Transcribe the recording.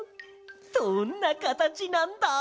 どんなかたちなんだ？